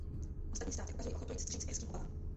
Ostatní státy ukazují ochotu vyjít vstříc irským obavám.